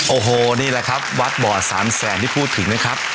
โอ้โหนี่แหละครับวัดบ่อสามแสนที่พูดถึงนะครับ